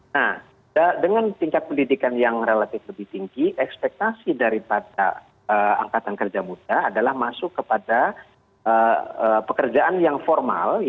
nah dengan tingkat pendidikan yang relatif lebih tinggi ekspektasi daripada angkatan kerja muda adalah masuk kepada pekerjaan yang formal